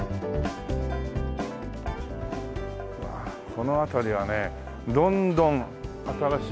この辺りはねどんどん新しい。